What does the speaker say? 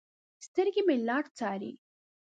سترګې مې لار څارې